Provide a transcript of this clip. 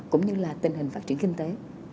cũng như là tình hình phát triển kinh tế